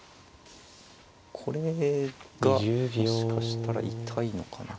これがもしかしたら痛いのかな。